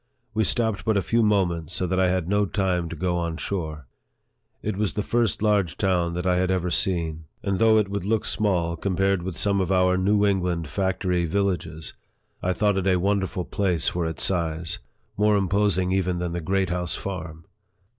We stopped but a few mo ments, so that I had no time to go on shore. It was the first large town that I had ever seen, and though it would look small compared with some of our New 30 NARRATIVE OF THE England factory villages, I thought it a wonderfu, place for its size more imposing even than the Great House Farm